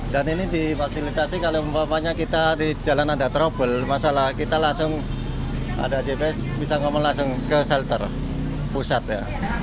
dan ini dimaksimilasi kalau kita di jalan ada trouble masalah kita langsung ada gps bisa ngomong langsung ke shelter pusat ya